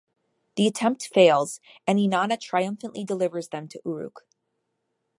The attempt fails and Inanna triumphantly delivers them to Uruk.